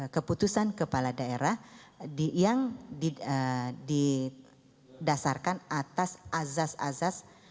keputusan kepala daerah yang didasarkan atas asas asas